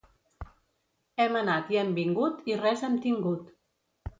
Hem anat i hem vingut i res hem tingut.